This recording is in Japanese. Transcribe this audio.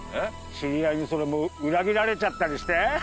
知り合いにそれも裏切られちゃったりして？